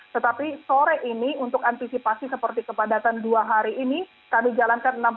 tetapi sore ini untuk antisipasi seperti kepadatan dua hari ini kami jalankan